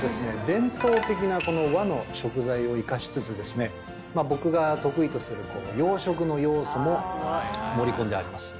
伝統的な和の食材を生かしつつ僕が得意とする洋食の要素も盛り込んであります。